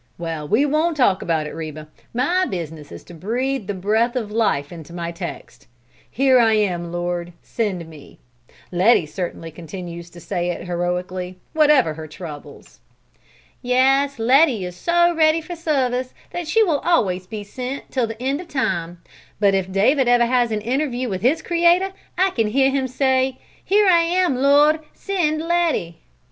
Well, we won't talk about it, Reba; my business is to breathe the breath of life into my text: 'Here am I, Lord, send me!' Letty certainly continues to say it heroically, whatever her troubles." "Yes, Letty is so ready for service that she will always be sent, till the end of time; but if David ever has an interview with his Creator I can hear him say: 'Here am I, Lord; send Letty!'"